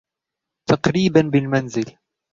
تقريبا بالمنزل